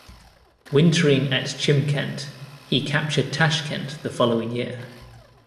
Wintering at Chimkent, he captured Tashkent the following year.